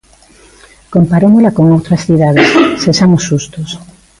Comparémola con outras cidades, sexamos xustos.